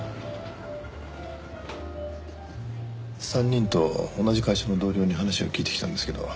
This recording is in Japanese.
３人と同じ会社の同僚に話を聞いてきたんですけど